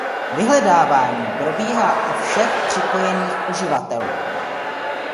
Vyhledávání probíhá u všech připojených uživatelů.